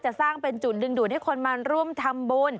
สร้างเป็นจุดดึงดูดให้คนมาร่วมทำบุญ